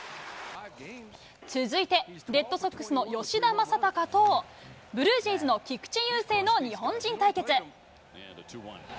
続いて、レッドソックスの吉田正尚と、ブルージェイズの菊池雄星の日本人対決。